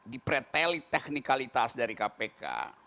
dipreteli teknikalitas dari kpk